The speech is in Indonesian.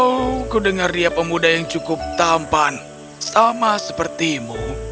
oh kudengar ria pemuda yang cukup tampan sama sepertimu